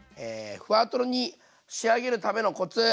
ふわとろに仕上げるためのコツ！